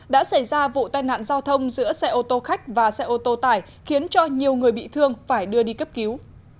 đã xảy ra vụ tai nạn giao thông giữa xe ô tô khách và xe ô tô tải khiến cho nhiều người bị thương phải đưa đi cấp cứu